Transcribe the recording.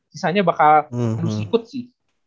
sisanya bakal harus ikut sih